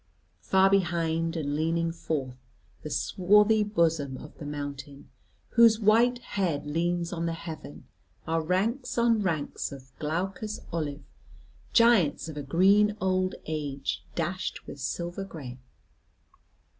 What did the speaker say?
Far behind, and leaning forth the swarthy bosom of the mountain, whose white head leans on the heaven, are ranks on ranks of glaucous olive, giants of a green old age dashed with silver gray.